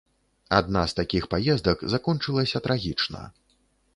Адна з такіх паездак закончылася трагічна.